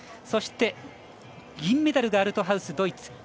そして、銀メダルがアルトハウス、ドイツ。